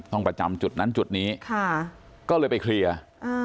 ประจำจุดนั้นจุดนี้ค่ะก็เลยไปเคลียร์อ่า